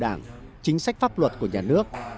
đảng chính sách pháp luật của nhà nước